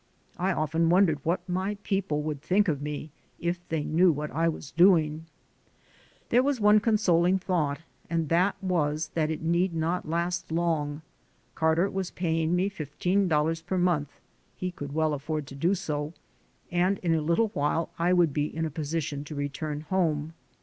I often wondered what my people would think of me if they knew what I was doing. There was one consoling thought, and that was that it need not last long. Carter was paying me $15 per month (he could well afford to do so), and in a little while I would be in a position to return home.